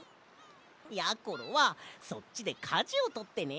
やころはそっちでかじをとってね。